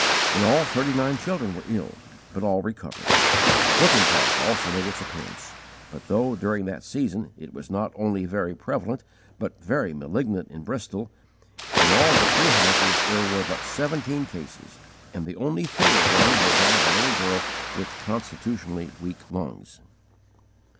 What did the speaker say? In all thirty nine children were ill, but all recovered. Whooping cough also made its appearance; but though, during that season, it was not only very prevalent but very malignant in Bristol, in all the three houses there were but seventeen cases, and the only fatal one was that of a little girl with constitutionally weak lungs.